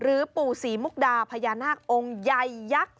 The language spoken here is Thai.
หรือปู่ศีมุกดาพญานาคองค์ไยยักษ์